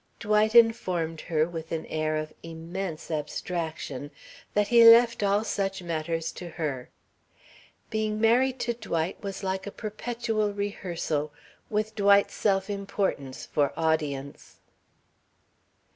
Dwight informed her, with an air of immense abstraction, that he left all such matters to her. Being married to Dwight was like a perpetual rehearsal, with Dwight's self importance for audience.